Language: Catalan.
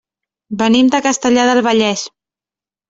Venim de Castellar del Vallès.